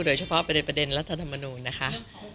โดยเฉพาะประเด็นรัฐธรรมนูญนะคะ